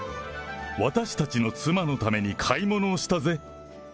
私たちの妻のために買い物をしたぜ。